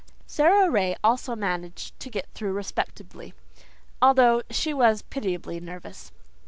Sara Ray also managed to get through respectably, although she was pitiably nervous.